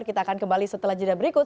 kita akan kembali setelah jeda berikut